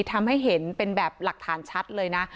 ทำให้เห็นเป็นแบบหลักฐานชัดเลยนะ